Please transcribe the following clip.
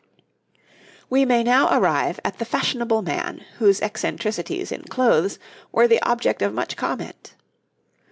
] We may now arrive at the fashionable man, whose eccentricities in clothes were the object of much comment.